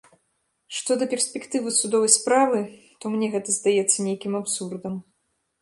Што да перспектывы судовай справы, то мне гэта здаецца нейкім абсурдам.